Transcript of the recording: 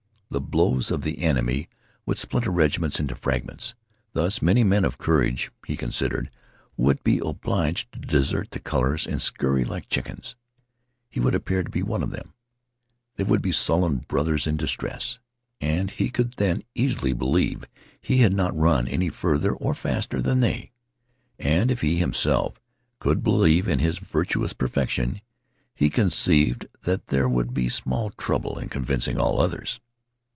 The blows of the enemy would splinter regiments into fragments. Thus, many men of courage, he considered, would be obliged to desert the colors and scurry like chickens. He would appear as one of them. They would be sullen brothers in distress, and he could then easily believe he had not run any farther or faster than they. And if he himself could believe in his virtuous perfection, he conceived that there would be small trouble in convincing all others.